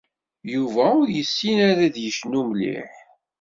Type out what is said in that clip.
Yuba ur yessin ara ad yecnu mliḥ.